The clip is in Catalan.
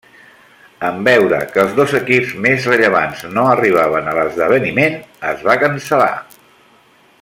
En veure que els dos equips més rellevants no arribaven a l'esdeveniment, es va cancel·lar.